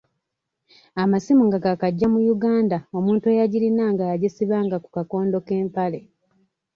Amasimu nga gaakajja mu Uganda omuntu eyagirinanga yagisibanga ku kakondo k'empale.